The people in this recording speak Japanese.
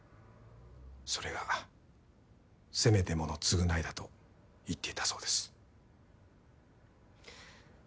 それがせめてもの償いだと言っていたそうです。